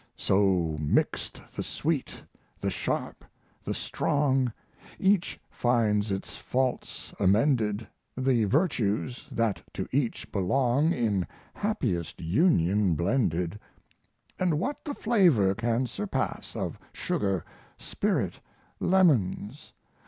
So mixed the sweet, the sharp, the strong, Each finds its faults amended, The virtues that to each belong In happiest union blended. And what the flavor can surpass Of sugar, spirit, lemons?